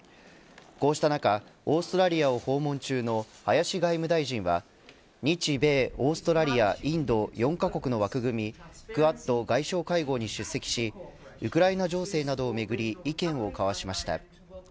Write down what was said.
こうした中オーストラリアを訪問中の林外務大臣は日、米、オーストラリア、インド４か国の枠組みクアッド外相会合に出席しウクライナ情勢などをめぐり意見を交わしました。